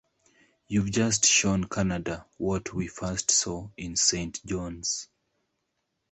You've just shown Canada what we first saw in Saint John's.